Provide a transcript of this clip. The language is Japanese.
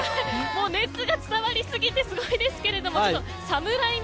熱が伝わりすぎてすごいですけれども。